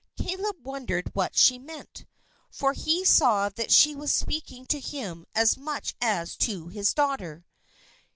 Caleb wondered what she meant, for he saw that she was speaking to him as much as to his daughter.